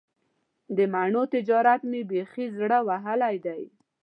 د مڼو تجارت مې بیخي زړه وهلی دی.